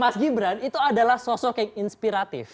mas gibran itu adalah sosok yang inspiratif